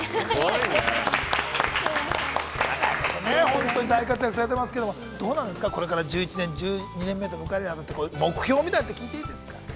◆本当に大活躍されてますけれども、どうなんですか、これから、１１年、１２年と迎えるにあたって、目標と言いなの聞いていいですか。